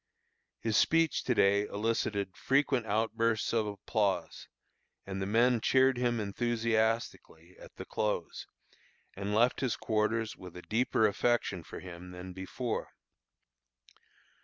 His speech to day elicited frequent outbursts of applause, and the men cheered him enthusiastically at the close, and left his quarters with a deeper affection for him than before.